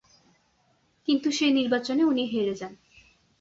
কিন্তু সেই নির্বাচনে উনি হেরে যান।